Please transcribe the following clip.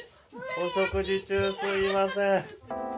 お食事中、すみません。